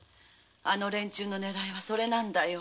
あの連中のねらいはそれなんだよ。